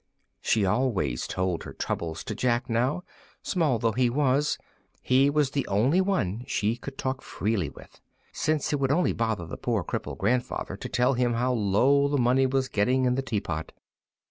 She always told her troubles to Jack now; small though he was, he was the only one she could talk freely with, since it would only bother the poor crippled grandfather to tell him how low the money was getting in the teapot.